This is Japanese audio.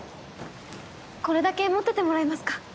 これだけ持っててもらえますか？